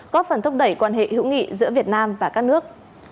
có phần thúc đẩy quan hệ hữu nghị giữa việt nam và các nước